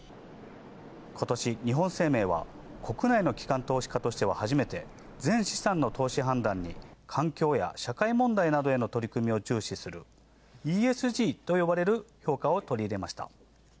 今年、日本生命は国内の機関投資家としては初めて全資産の投資判断に環境や社会問題などへの取り組みを重視するＥＳＧと呼ばれる評価を取り入れました。